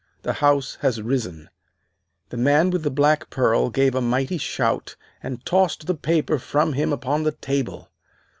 The House has risen." The man with the black pearl gave a mighty shout, and tossed the paper from him upon the table.